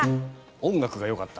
音楽がよかった。